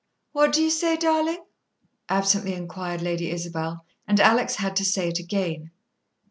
"What do you say, darling?" absently inquired Lady Isabel; and Alex had to say it again.